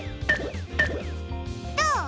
どう？